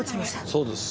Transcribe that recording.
「そうです」。